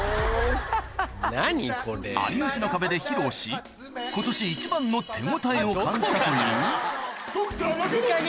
『有吉の壁』で披露し今年一番の手応えを感じたというドクター・中松です。